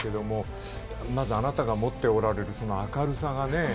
まず、あなたが持っておられるその明るさがね